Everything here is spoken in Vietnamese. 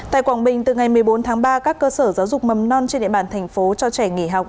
tại quảng bình từ ngày một mươi bốn tháng ba các cơ sở giáo dục mầm non trên địa bàn thành phố cho trẻ nghỉ học